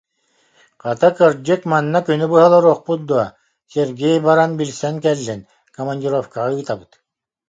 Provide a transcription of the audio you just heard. Хата, кырдьык, манна күнү быһа олоруохпут дуо, Сергей баран билсэн кэллин, командировкаҕа ыытабыт